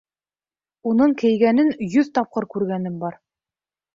Уның кейгәнен йөҙ тапҡыр күргәнем бар.